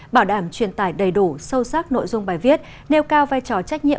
bảo đảm truyền tải đầy đủ sâu sắc nội dung bài viết nêu cao vai trò trách nhiệm